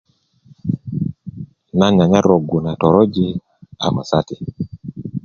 nan nyanyar rogu na toroji a ko sati